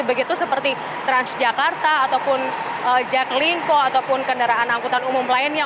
begitu seperti transjakarta ataupun jack linko ataupun kendaraan angkutan umum lainnya